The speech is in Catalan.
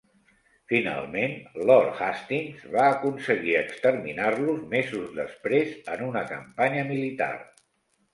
Finalment Lord Hastings va aconseguir exterminar-los mesos després en una campanya militar.